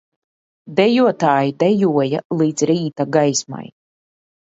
Dejotāji dejoja līdz rīta gaismai